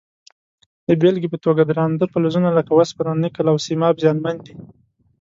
د بیلګې په توګه درانده فلزونه لکه وسپنه، نکل او سیماب زیانمن دي.